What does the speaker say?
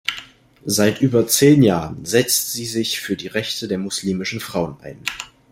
Seit über zehn Jahren setzt sie sich für die Rechte der muslimischen Frauen ein.